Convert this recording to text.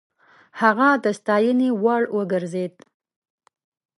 هغه د ستاينې وړ وګرځېد.